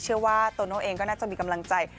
เชื่อว่าโตโน่เองก็น่าจะมีกำลังใจ